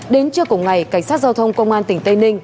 đến trưa cùng ngày cảnh sát giao thông công an tỉnh tây ninh